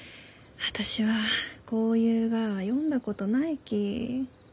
私はこういうがは読んだことないき。